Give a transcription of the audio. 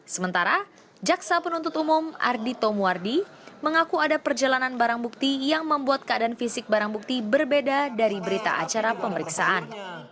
sementara jaksa penuntut umum ardi to muardi mengaku ada perjalanan barang bukti yang membuat keadaan fisik barang bukti berbeda dari berita acara pemeriksaan